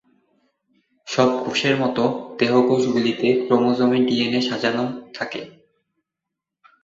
সব কোষের মতো, দেহকোষগুলিতে ক্রোমোজোমে ডিএনএ সাজানো থাকে।